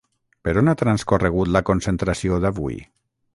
Per on ha transcorregut la concentració d'avui?